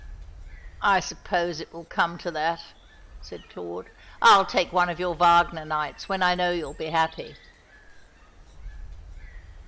"I suppose it will come to that," said Claude. "I'll take one of your Wagner nights when I know you'll be happy."